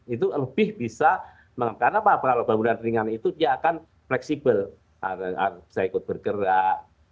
itu lebih bisa karena apa kalau bangunan ringan itu dia akan fleksibel bisa ikut bergerak